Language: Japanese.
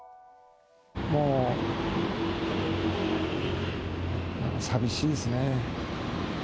もう、寂しいですね。